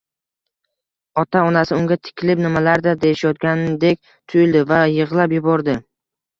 Ota-onasi unga tikilib, nimalardir deyishayotgandek tuyuldi… va yig’lab yubordi.